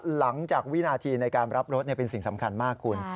วินาทีในการรับรถเป็นสิ่งสำคัญมากคุณ